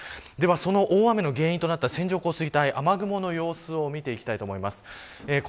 では、その大雨の原因となった線状降水帯、雨雲の様子を見ていきたいと思います。